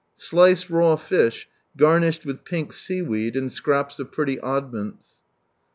Sliced raw fish, garnished with pink sea weed, and scraps of pretty oddments.